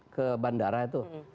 ke bandara itu